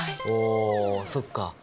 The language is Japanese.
おそっか。